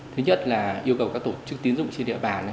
thứ nhất là yêu cầu các tổ chức tín dụng trên địa bàn